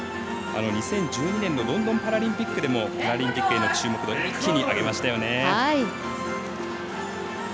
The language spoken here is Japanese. ２０１２年のロンドンパラリンピックでもパラリンピックへの注目度を一気に上げましたよね。